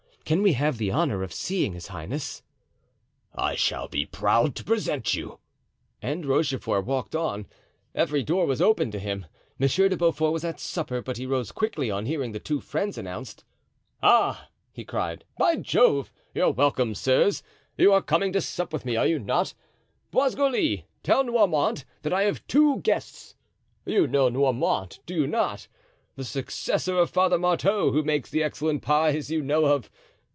Can we have the honor of seeing his highness?" "I shall be proud to present you," and Rochefort walked on. Every door was opened to him. Monsieur de Beaufort was at supper, but he rose quickly on hearing the two friends announced. "Ah!" he cried, "by Jove! you're welcome, sirs. You are coming to sup with me, are you not? Boisgoli, tell Noirmont that I have two guests. You know Noirmont, do you not? The successor of Father Marteau who makes the excellent pies you know of.